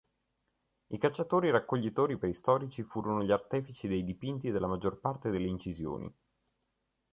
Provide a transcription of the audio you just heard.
I cacciatori-raccoglitori preistorici furono gli artefici dei dipinti e della maggior parte delle incisioni.